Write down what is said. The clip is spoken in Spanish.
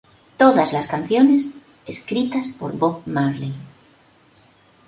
Todas las canciones escritas por Bob Marley.